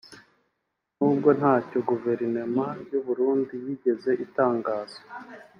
n’ubwo ntacyo guverinoma y’u Burundi yigeze itangaza